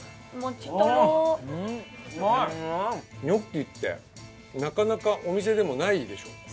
ニョッキってなかなかお店でもないでしょ。